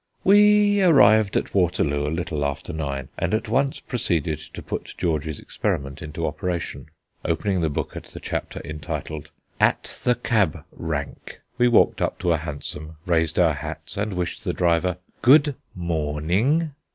We arrived at Waterloo a little after nine, and at once proceeded to put George's experiment into operation. Opening the book at the chapter entitled "At the Cab Rank," we walked up to a hansom, raised our hats, and wished the driver "Good morning."